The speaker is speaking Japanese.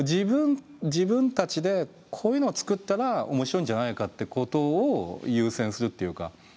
自分たちでこういうのを作ったら面白いんじゃないかってことを優先するっていうか。